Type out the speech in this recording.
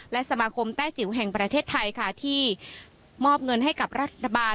และสมาคมแต้จิ๋วแห่งประเทศไทยค่ะที่มอบเงินให้กับรัฐบาล